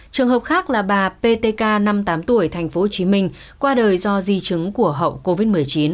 trường hợp khác là bà ptk năm mươi tám tuổi tp hcm qua đời do di chứng của hậu covid một mươi chín